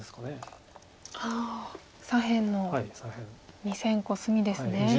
ああ左辺の２線コスミですね。